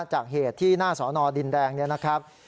จากเหตุที่หน้าสอนอดินแดงเนี่ยนะครับ